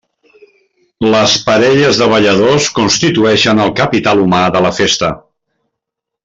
Les parelles de balladors constitueixen el capital humà de la festa.